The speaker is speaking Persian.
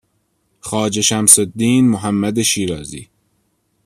خواجه شمسالدین محمد شیرازی